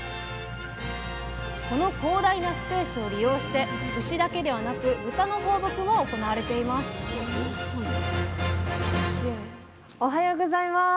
この広大なスペースを利用して牛だけではなく豚の放牧も行われていますおはようございます。